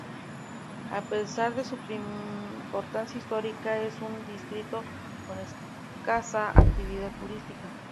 A pesar de su importancia histórica es un distrito con escasa actividad turística.